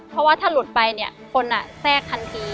เพราะว่าถ้าหลุดไปเนี่ยคนแทรกทันที